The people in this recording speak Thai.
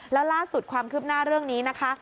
แล้วล่าสุดความคืบหน้าเรื่องนี้นะคะ